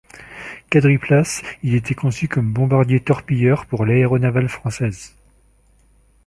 Quadriplace, il était conçu comme bombardier-torpilleur pour l'Aéronavale française.